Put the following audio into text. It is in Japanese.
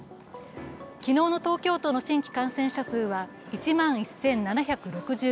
昨日の東京都の新規感染者数は１万１７６５人。